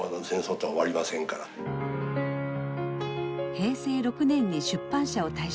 平成６年に出版社を退職。